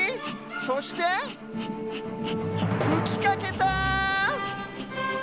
そしてふきかけた！